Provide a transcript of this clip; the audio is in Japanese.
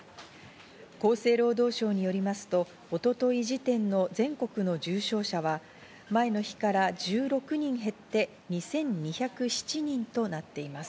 厚生労働省によりますと、一昨日時点の全国の重症者は前の日から１６人減って２２０７人となっています。